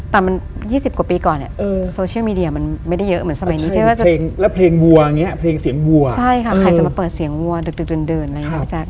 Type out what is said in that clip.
แต่มัน๑๒๐กว่าปีก่อนเนี่ยมันมันไม่ได้เยอะเหมือนสมัยนี้